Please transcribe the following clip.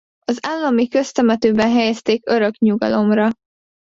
Az állami köztemetőben helyezték örök nyugalomra.